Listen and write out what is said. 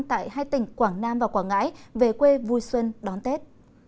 tại hai tỉnh quảng nam và quảng ngãi về quê vui xuân đón tết